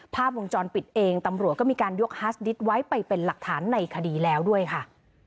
ภาพวงจรปิดเองตำรวจก็มีการยกฮาสดิตไว้ไปเป็นหลักฐานในคดีแล้วด้วยค่ะ